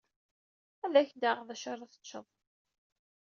Ad ak-d-aɣeɣ d acu ara teččeḍ.